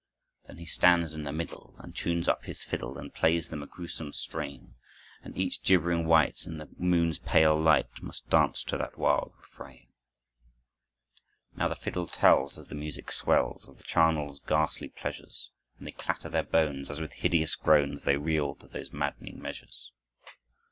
Then he stands in the middle And tunes up his fiddle, And plays them a gruesome strain. And each gibbering wight In the moon's pale light Must dance to that wild refrain. Now the fiddle tells, As the music swells, Of the charnel's ghastly pleasures; And they clatter their bones As with hideous groans They reel to those maddening measures.